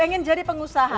pengen jadi pengusaha